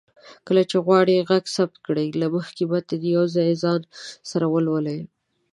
کله چې غواړئ غږ ثبت کړئ، له مخکې متن يو ځل ځان سره ولولئ